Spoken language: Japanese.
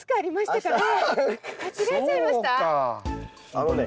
あのね